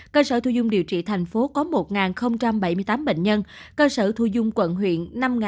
cơ sở thu dung điều trị thành phố có một bảy mươi tám bệnh nhân cơ sở thu dung quận huyện năm bốn trăm linh